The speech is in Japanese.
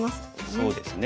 そうですね。